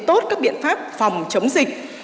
tốt các biện pháp phòng chống dịch